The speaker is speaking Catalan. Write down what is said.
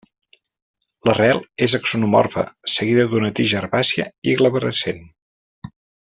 L'arrel és axonomorfa seguida d'una tija herbàcia i glabrescent.